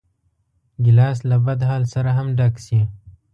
ګیلاس له بدحال سره هم ډک شي.